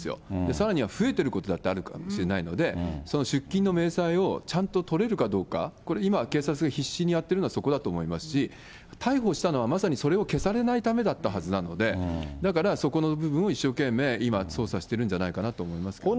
さらには増えてることだってあるかもしれないので、その出金の明細をちゃんと取れるかどうか、これ今、警察が必死にやってるのはそこだと思いますし、逮捕したのは、まさにそれを消されないためだったはずなので、だからそこの部分を、一生懸命今、捜査してるんじゃないかなと思いますけどね。